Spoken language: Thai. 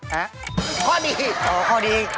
ฮะข้อดีอ๋อข้อดี